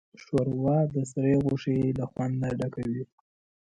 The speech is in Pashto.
ښوروا د سرې غوښې له خوند نه ډکه وي.